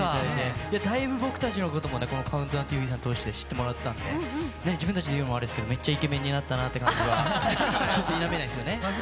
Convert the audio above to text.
だいぶ僕たちのことも、この「ＣＤＴＶ」さんを通して知ってもらったんで、自分たちで言うのもあれですけどめっちゃイケメンになったなという感じは、否めないですよね。